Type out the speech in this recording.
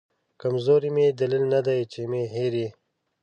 کمزوري مې دلیل ندی چې مې هېر یې